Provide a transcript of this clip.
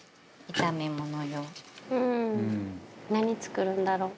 「何作るんだろう？」